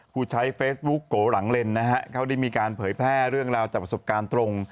ผู้ใช้เฟซบุ๊กโกหลังเลนนะฮะเขาได้มีการเผยแพร่เรื่องราวจากประสบการณ์ตรง